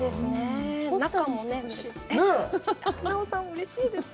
うれしいです。